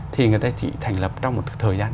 thì người ta chỉ thành lập trong một thời gian